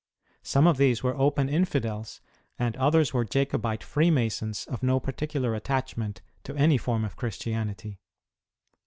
Some of these were open Infidels and others were Jacobite Freemasons of no particular attach ment to any form of Christianity.